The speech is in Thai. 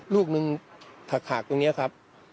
ลูกนึงถักตรงนี้ครับ